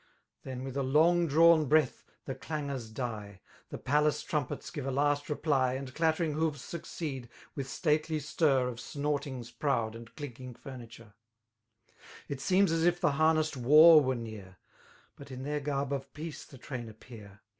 Then, with a loog drawn breath, the cfaiigours die; The palace trumpets give a last repty^ And clattering hoofis succeed, with stately stir Of snortings proud and clinking furniture: It seems as if the harnessed war were near; But in their gait> of peace the train i^pear.